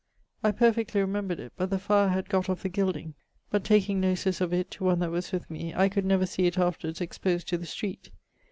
I perfectly remembred it, but the fire had gott off the guilding: but taking notice of it to one that was with me, I could never see it afterwards exposed to the street.